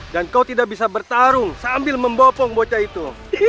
dan kau tidak bisa bertarung sambil membopong bocah itu